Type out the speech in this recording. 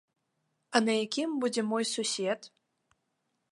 А на якім будзе мой сусед?